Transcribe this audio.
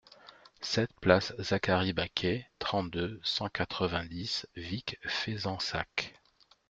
sept place Zaccharie Baqué, trente-deux, cent quatre-vingt-dix, Vic-Fezensac